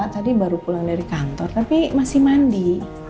tadi baru pulang dari kantor tapi masih mandi